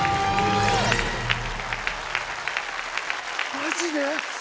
マジで？